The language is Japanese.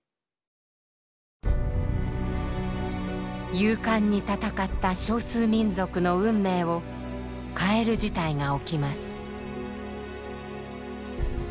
勇敢に戦った少数民族の運命を変える事態が起きます。